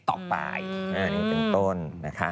อันนี้เป็นต้นนะคะ